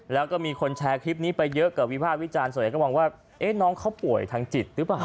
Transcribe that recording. แล้วก็มีคนแชร์คลิปนี้ไปเยอะกับวิภาควิจารณ์ส่วนใหญ่ก็มองว่าน้องเขาป่วยทางจิตหรือเปล่า